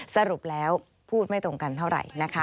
สรุปแล้วพูดไม่ตรงกันเท่าไหร่นะคะ